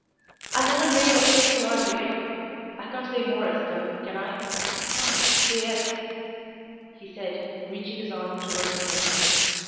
I'll never lay or take the odds again. I can't say more, Esther, can I? Come, say yes," he said, reaching his arm towards her.